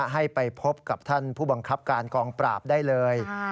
ให้ไปพบกับท่านผู้บังคับการกองปราบได้เลย